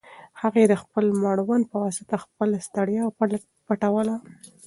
هغې د خپل مړوند په واسطه خپله ستړیا پټوله.